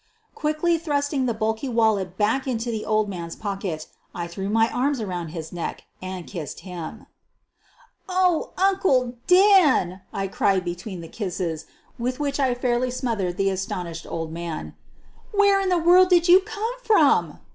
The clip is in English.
Quickly thrusting the bulky wallet back into the old man's I PELT A HAND ON MY SHOULDER pocket, I threw my arms around his neck and kissed him. "'Oh, Uncle Dan!" I cried between the kisses, with which I fairly smothered the astonished old man; " where in the world did you come from?"